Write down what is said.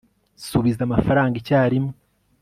subiza amafaranga icyarimwe